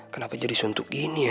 kenapa jadi suntuk gini ya